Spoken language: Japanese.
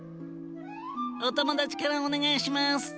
お友達からお願いします。